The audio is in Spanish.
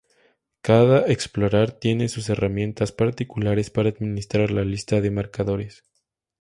Cada explorar tiene sus herramientas particulares para administrar la lista de marcadores.